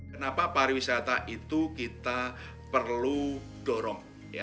kenapa pariwisata itu kita perlu dorong